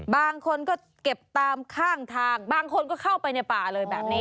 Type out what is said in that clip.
บางคนก็เก็บตามข้างทางบางคนก็เข้าไปในป่าเลยแบบนี้